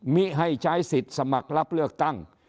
มิให้ใช้สิทธิ์สมัครรับเลือกตั้ง